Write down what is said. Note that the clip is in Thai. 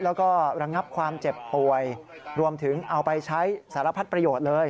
แล้วก็ระงับความเจ็บป่วยรวมถึงเอาไปใช้สารพัดประโยชน์เลย